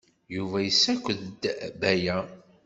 Yuba yessaked-d Baya.